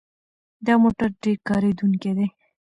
دا موټر ډېر کارېدونکی دی.